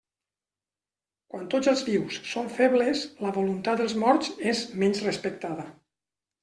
Quan tots els vius són febles, la voluntat dels morts és menys respectada.